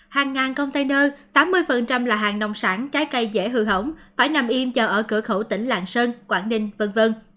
hàng ngàn container tám mươi là hàng nông sản trái cây dễ hư hỏng phải nằm im chờ ở cửa khẩu tỉnh lạng sơn quảng ninh v v